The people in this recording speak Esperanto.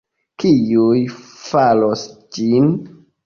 Kiuj faros ĝin?